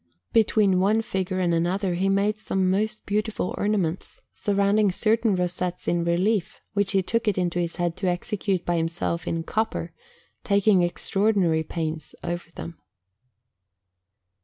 Between one figure and another he made some most beautiful ornaments, surrounding certain rosettes in relief, which he took it into his head to execute by himself in copper, taking extraordinary pains over them.